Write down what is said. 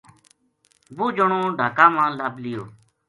وہ جنو ڈھاکا ما لب لیو